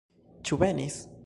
Ĉu venis?